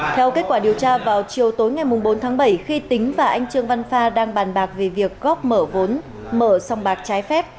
theo kết quả điều tra vào chiều tối ngày bốn tháng bảy khi tính và anh trương văn pha đang bàn bạc về việc góp mở vốn mở xong bạc trái phép